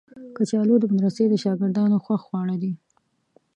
کچالو د مدرسې د شاګردانو خوښ خواړه دي